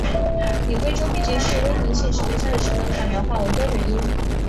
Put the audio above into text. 以贵州毕节市威宁县石门乡的石门坎苗话为标准音。